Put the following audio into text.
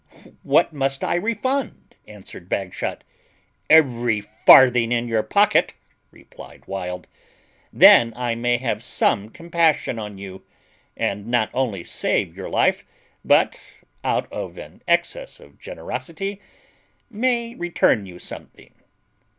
"What must I refund?" answered Bagshot. "Every farthing in your pocket," replied Wild; "then I may have some compassion on you, and not only save your life, but, out of an excess of generosity, may return you something."